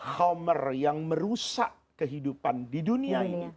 khomer yang merusak kehidupan di dunia ini